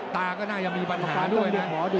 ตาก็น่าจะมีปัญหาด้วยนะ